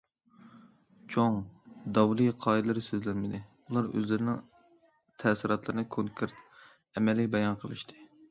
چوڭ داۋلى- قائىدىلەر سۆزلەنمىدى، ئۇلار ئۆزلىرىنىڭ تەسىراتلىرىنى كونكرېت، ئەمەلىي بايان قىلىشتى.